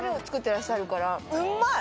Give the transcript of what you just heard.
うまい！